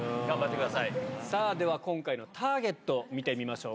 さあ、では今回のターゲット、見てみましょう。